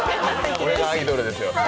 これがアイドルですよ。